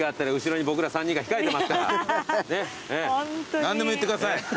何でも言ってください。